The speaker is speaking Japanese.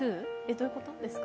どういうことですか？